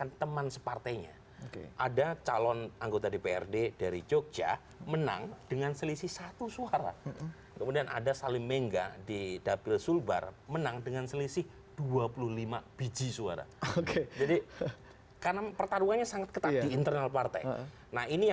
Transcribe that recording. kepala kepala kepala kepala